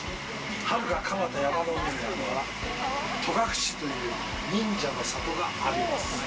はるかかなた山の上に戸隠という忍者の里があります。